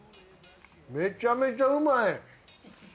めちゃめちゃうまい。